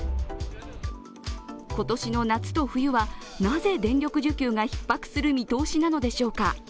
今年の夏と冬は、なぜ電力需給がひっ迫する見通しなのでしょうか。